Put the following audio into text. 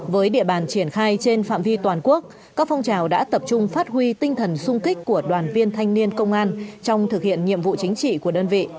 với địa bàn triển khai trên phạm vi toàn quốc các phong trào đã tập trung phát huy tinh thần sung kích của đoàn viên thanh niên công an trong thực hiện nhiệm vụ chính trị của đơn vị